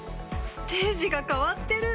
ステージが変わってる！